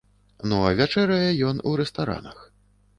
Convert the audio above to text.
Ну а вячэрае ён у рэстаранах.